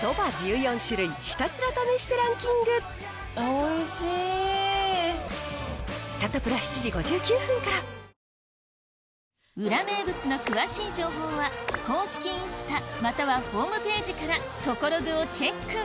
おいしい免疫ケア裏名物の詳しい情報は公式インスタまたはホームページからトコログをチェック